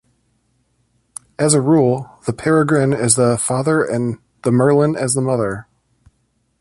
As a rule, the peregrine is the father and the merlin is the mother.